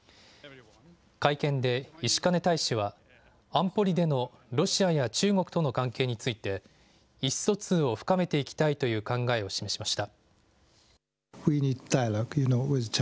会見で石兼大使は、安保理でのロシアや中国との関係について、意思疎通を深めていきたいという考えを示しました。